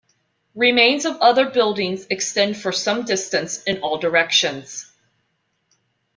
Remains of other buildings extend for some distance in all directions.